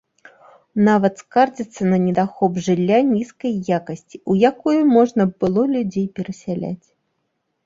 Нават скардзяцца на недахоп жылля нізкай якасці, у якое можна было б людзей перасяляць.